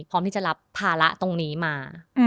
พร้อมที่จะรับภาระตรงนี้มา